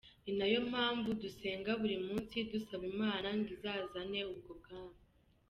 Ni nayo mpamvu dusenga buli munsi dusaba imana ngo izane ubwo bwami.